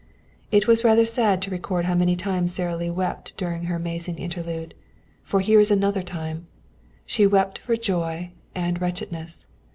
It is rather sad to record how many times Sara Lee wept during her amazing interlude. For here is another time. She wept for joy and wretchedness.